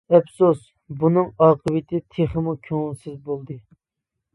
ئەپسۇس بۇنىڭ ئاقىۋىتى تېخىمۇ كۆڭۈلسىز بولدى.